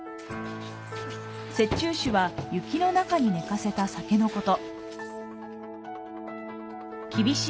雪中酒は雪の中に寝かせた酒のこと。